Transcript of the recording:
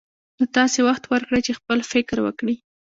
نو تاسې وخت ورکړئ چې خپل فکر وکړي.